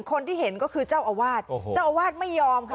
คนที่เห็นก็คือเจ้าอาวาสเจ้าอาวาสไม่ยอมค่ะ